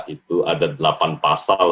itu ada delapan pasal